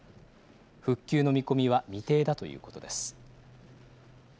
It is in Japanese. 復旧の見込みは未定だということです。